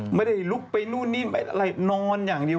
ไม่ได้ลุกไปนู่นนี่อะไรนอนอย่างเดียว